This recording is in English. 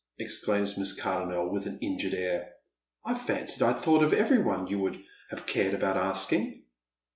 exclaims Miss Cardonnel, with an injured air. " I fancied I had thought of every one j'ou would have cared about asking."